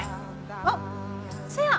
あっせや。